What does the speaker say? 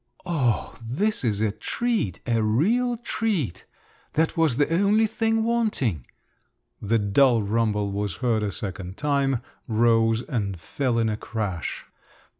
"Oh, this is a treat, a real treat! That was the only thing wanting!" The dull rumble was heard a second time, rose, and fell in a crash.